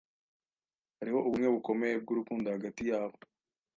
Hariho ubumwe bukomeye bwurukundo hagati yabo